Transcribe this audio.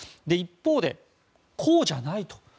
一方で、こうじゃないと。